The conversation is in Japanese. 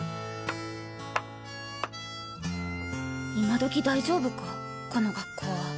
今時大丈夫かこの学校は？